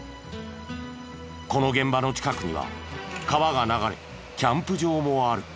この現場の近くには川が流れキャンプ場もある。